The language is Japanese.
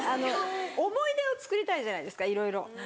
思い出をつくりたいじゃないですかいろいろ。